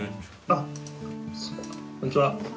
「あっこんにちは」。